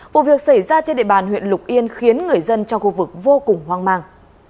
vụ việc xảy ra trên địa bàn huyện lục yên khiến người dân trong khu vực vô cùng hoang mang